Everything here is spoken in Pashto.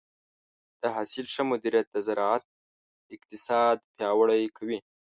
د حاصل ښه مدیریت د زراعت اقتصاد پیاوړی کوي.